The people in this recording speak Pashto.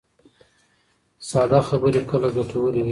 ساده خبرې کله ګټورې وي.